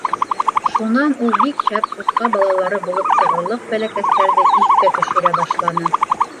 Шунан ул бик шәп сусҡа балалары булып сығырлыҡ бәләкәстәрҙе иҫкә төшөрә башланы.